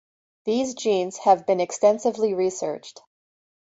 These genes have been extensively researched.